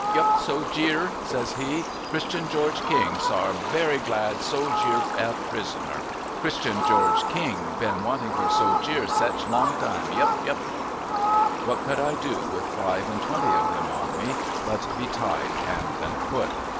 ' Yup, So Jeer,' says he, ' Christian George King sar berry glad So Jeer a prisoner. Christian George King been waiting for So Jeer sech long time. Yup, yup !' What could I do, with five and twenty of them on me, but be tied hand and foot